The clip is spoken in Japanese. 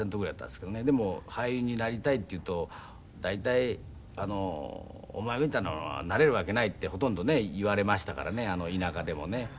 でも俳優になりたいって言うと大体お前みたいなのはなれるわけないってほとんどね言われましたからね田舎でもね。